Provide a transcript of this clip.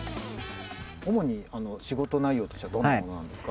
主に仕事内容としてはどんなものなんですか？